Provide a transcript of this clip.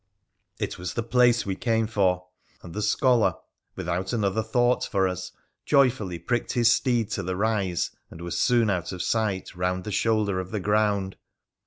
It was the place we came for, and the scholar, without another thought for us, joyfully pricked his steed to the rise, and was soon out of sight round the shoulder of the ground.